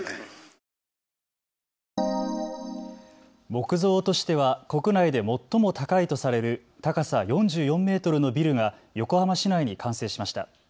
木造としては国内で最も高いとされる高さ４４メートルのビルが横浜市内に完成しました。